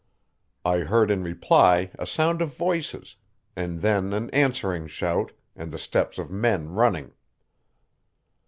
I heard in reply a sound of voices, and then an answering shout, and the steps of men running.